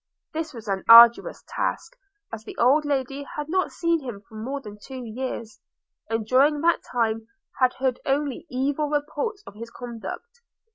This was an arduous task, as the old Lady had not seen him for more than two years, and during that time had heard only evil reports of his conduct.